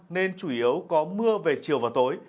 nên chủ yếu có mưa về chiều và tối